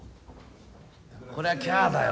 これはキャだよ。